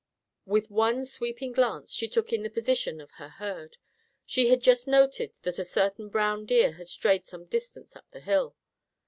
With one sweeping glance she took in the position of her herd. She had just noted that a certain brown deer had strayed some distance up the hill.